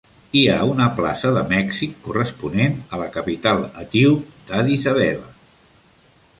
Hi ha una plaça de Mèxic corresponent a la capital etíop d'Addis Abeba.